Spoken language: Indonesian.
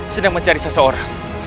sedang mencari seseorang